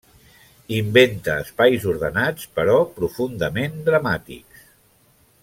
Inventa espais ordenats però profundament dramàtics.